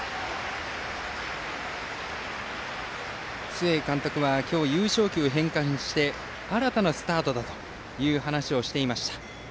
須江監督は今日優勝旗を返還して新たなスタートだという話をしていました。